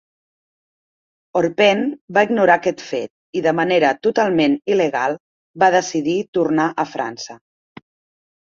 Orpen va ignorar aquest fet i, de manera totalment il·legal, va decidir tornar a França.